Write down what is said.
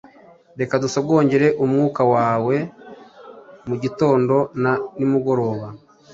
reka dusogongere umwuka wawe mugitondo na nimugoroba